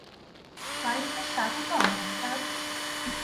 বাড়িতে স্বাগতম, এস্থার।